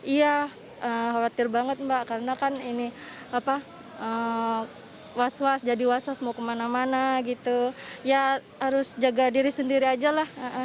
iya khawatir banget mbak karena kan ini was was jadi was was mau kemana mana gitu ya harus jaga diri sendiri aja lah